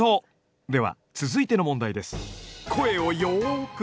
では続いての問題です。